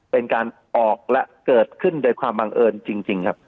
เป็นการออกและเกิดขึ้นโดยความบังเอิญจริงครับ